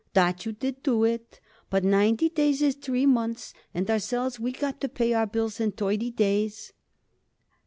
"That you did do it. But ninety days is three months, and ourselves we got to pay our bills in thirty days."